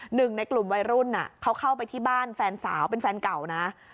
หนึ่งในกลุ่มวัยรุ่นเขาเข้าไปที่บ้านแฟนสาวเป็นแฟนเก่านะ